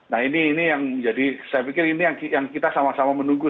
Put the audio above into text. nah ini yang jadi saya pikir ini yang kita sama sama menunggu